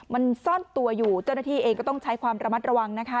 มันซ่อนตัวอยู่เจ้าหน้าที่เองก็ต้องใช้ความระมัดระวังนะคะ